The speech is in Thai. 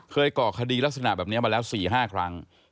ก่อคดีลักษณะแบบนี้มาแล้ว๔๕ครั้ง